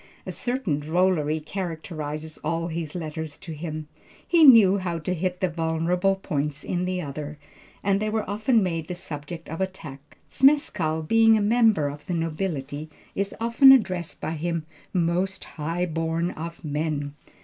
A certain drollery characterizes all his letters to him. He knew how to hit the vulnerable points in the other, and they were often made the subject of attack. Zmeskall being a member of the nobility, is often addressed by him, "Most high born of men."